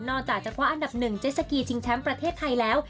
จากจะคว้าอันดับหนึ่งเจสสกีชิงแชมป์ประเทศไทยแล้ว